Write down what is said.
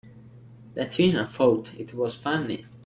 That Tina thought it was funny!